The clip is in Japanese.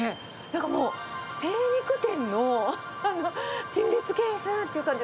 なんかもう、精肉店の陳列ケースっていう感じ。